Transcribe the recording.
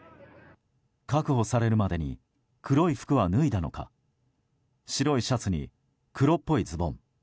確保されるまでに黒い服は脱いだのか白いシャツに黒っぽいズボン。